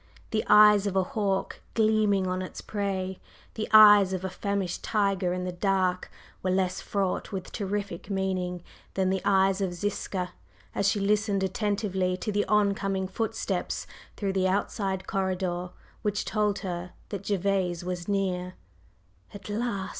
The eyes of a hawk gleaming on its prey, the eyes of a famished tiger in the dark, were less fraught with terrific meaning than the eyes of Ziska as she listened attentively to the on coming footsteps through the outside corridor which told her that Gervase was near. "At last!"